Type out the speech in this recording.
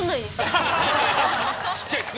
ちっちゃい「つ」